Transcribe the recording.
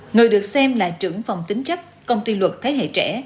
người được xem là trưởng phòng tính chất công ty luật thế hệ trẻ